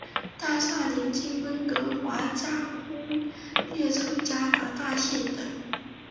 大厦邻近温哥华架空列车加拿大线的。